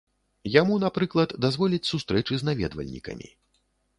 Яму, напрыклад, дазволяць сустрэчы з наведвальнікамі.